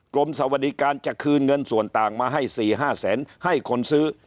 สวัสดีการจะคืนเงินส่วนต่างมาให้๔๕แสนให้คนซื้อ